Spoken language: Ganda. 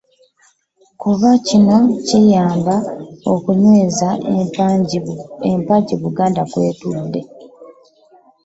Kuba kino kiyamba okunyweza empagi Buganda kw'etudde